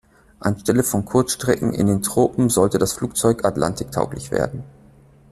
Anstelle von Kurzstrecken in den Tropen sollte das Flugzeug Atlantik-tauglich werden.